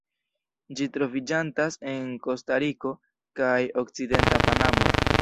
Ĝi troviĝantas en Kostariko kaj okcidenta Panamo.